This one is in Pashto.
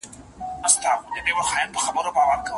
که ته غواړې په املا پوه سې نو ډېر کتابونه لوله.